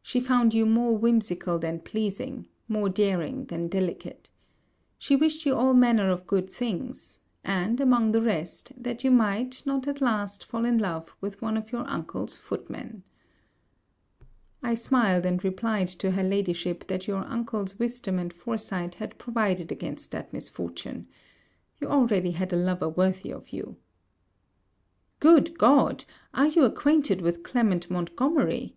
She found you more whimsical than pleasing; more daring than delicate. She wished you all manner of good things; and, among the rest, that you might not at last fall in love with one of your uncle's footmen. I smiled and replied to her Ladyship, that your uncle's wisdom and foresight had provided against that misfortune. You already had a lover worthy of you. 'Good God! Are you acquainted with Clement Montgomery?'